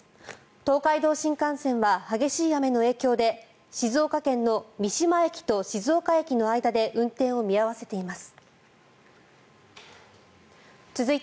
東海道新幹線は激しい雨の影響で静岡県の三島駅と静岡駅の間で運転を見合わせています。